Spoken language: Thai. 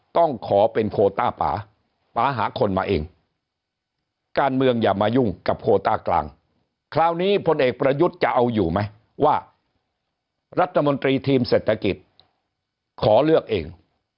ทุกวันนี้พลเอกประยุทธ์จะเอาอยู่ไหมว่ารัฐมนตรีทีมเศรษฐกิจขอเลือกเอง